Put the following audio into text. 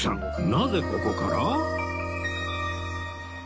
なぜここから？